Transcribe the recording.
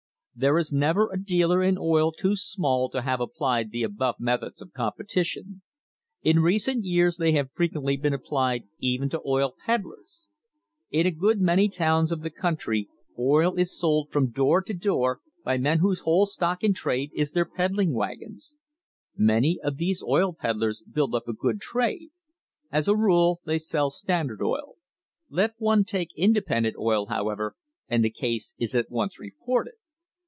There is never a dealer in oil too small to have applied the above methods of competition. In recent years they have fre quently been applied even to oil peddlers. In a good many towns of the country oil is sold from door to door by men whose whole stock in trade is their peddling wagons. Many of these oil peddlers build up a good trade. As a rule they sell Standard oil. Let one take independent oil, however, and the case is at once reported.